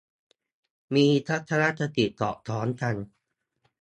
มีทัศนคติสอดคล้องกัน